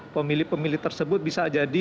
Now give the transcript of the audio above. pemilih pemilih tersebut bisa jadi